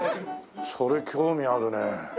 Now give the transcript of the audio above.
それ興味あるね。